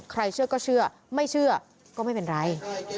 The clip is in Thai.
เชื่อก็เชื่อไม่เชื่อก็ไม่เป็นไร